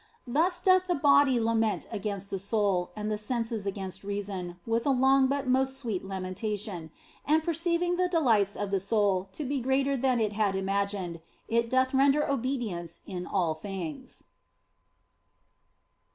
Thus doth the body lament against the soul, and the senses against reason, with a long but most sweet lamentation, and perceiving the delights of the soul to be greater than it had imagined, it doth render obedience in all things.